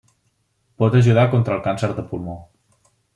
Pot ajudar contra el càncer de pulmó.